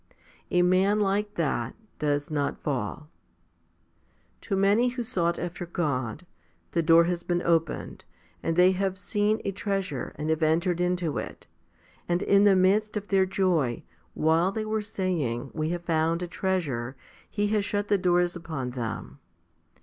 A man like that does not fall. To many who sought after God, the door has been opened, and they have seen a treasure, and have entered into it ; and in the midst of their joy, while they were saying, "We have found a treasure," He has shut the doors upon them.